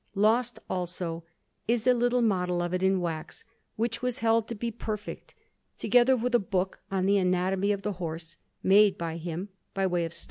Lost, also, is a little model of it in wax, which was held to be perfect, together with a book on the anatomy of the horse made by him by way of study.